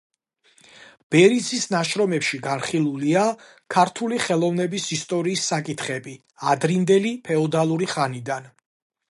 ბერიძის ნაშრომებში განხილულია ქართული ხელოვნების ისტორიის საკითხები ადრინდელი ფეოდალური ხანიდან.